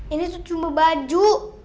ini tuh cuma baju